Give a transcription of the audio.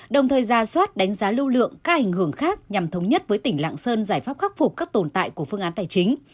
đồng thời ra soát đánh giá lưu lượng các ảnh hưởng khác nhằm thống nhất với tỉnh lạng sơn giải pháp khắc phục các tồn tại của phương án tài chính